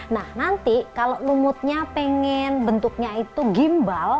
nah nanti kalau lumutnya pengen bentuknya itu gimbal